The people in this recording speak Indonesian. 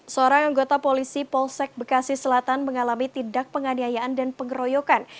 seorang anggota polisi polsek bekasi selatan mengalami tindak penganiayaan dan pengeroyokan